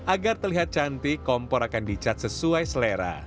agar terlihat cantik kompor akan dicat sesuai selera